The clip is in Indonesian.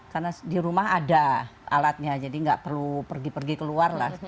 karena di rumah ada alatnya jadi tidak perlu pergi pergi keluar lah